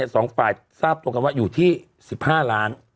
สองฝ่ายทราบตรงกันว่าอยู่ที่๑๕ล้าน